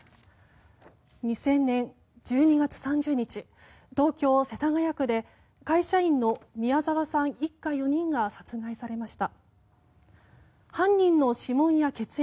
２０００年１２月３０日東京・世田谷区で会社員の宮沢さん一家４人が殺害されました。